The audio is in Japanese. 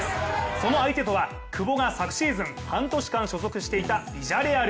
その相手とは久保が昨シーズン半年間、所属していたビジャレアル。